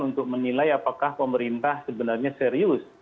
untuk menilai apakah pemerintah sebenarnya serius